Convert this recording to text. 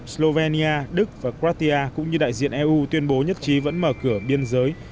slovenia đức và cratia cũng như đại diện eu tuyên bố nhất trí vẫn mở cửa biên giới